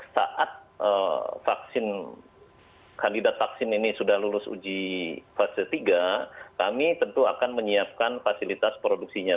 saat vaksin kandidat vaksin ini sudah lulus uji fase tiga kami tentu akan menyiapkan fasilitas produksinya